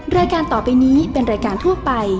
รายการต่อไปนี้เป็นรายการทั่วไป